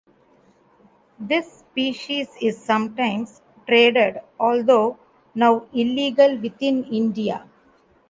This species is sometimes traded although now illegal within India.